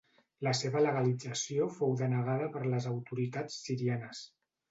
La seva legalització fou denegada per les autoritats sirianes.